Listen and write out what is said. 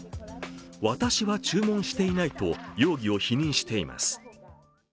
私は注文していないと容疑を否認しています。